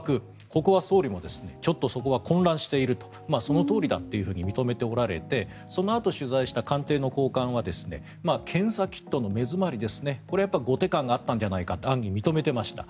ここは総理もちょっとここは混乱しているそのとおりだと認めておられてそのあと取材した官邸の高官は検査キットの目詰まり後手感があったんじゃないかと暗に認めていました。